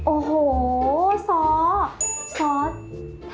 โอ้โห้ซ้อง